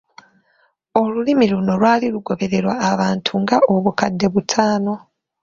Olulimi luno lwali lwogerebwa abantu nga: obukadde butaano.